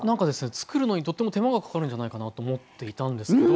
作るのにとっても手間がかかるんじゃないかなと思っていたんですけど。